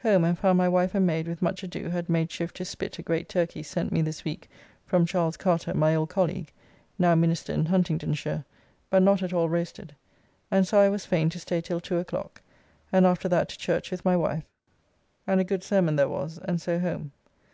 Home and found my wife and maid with much ado had made shift to spit a great turkey sent me this week from Charles Carter, my old colleague, now minister in Huntingdonshire, but not at all roasted, and so I was fain to stay till two o'clock, and after that to church with my wife, and a good sermon there was, and so home.